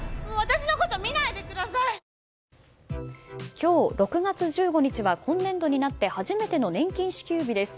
今日６月１５日は今年度になって初めての年金支給日です。